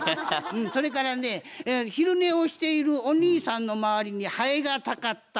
それからね昼寝をしているお兄さんの周りにハエがたかった。